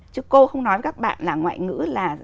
chứ cô không nói với các bạn là ngoại ngữ là